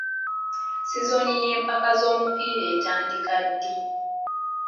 Sizoni y'empaka z'omupiira etandika ddi?